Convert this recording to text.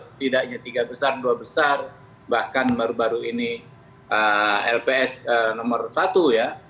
setidaknya tiga besar dua besar bahkan baru baru ini lps nomor satu ya